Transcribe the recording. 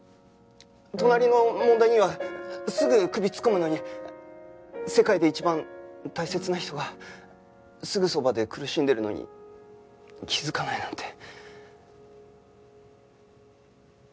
隣の問題にはすぐ首突っ込むのに世界で一番大切な人がすぐそばで苦しんでるのに気づかないなんて。